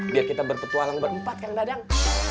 biar kita berpetualang berempat kan dadang